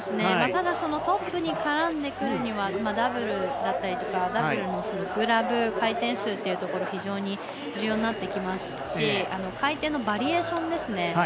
ただトップに絡んでくるにはダブルだったりとかダブルのグラブ回転数というところ非常に重要になってきますし回転のバリエーションですね。